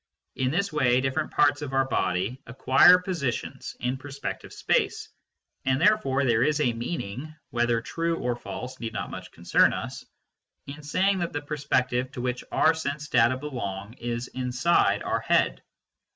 In this way different parts of our body acquire positions in perspective space, and therefore there is a meaning (whether true or false need not much concern us) in saying that the perspective to which our sense data belong is inside our head.